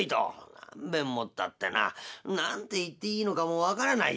「何べんもったってな何て言っていいのかも分からないよ」。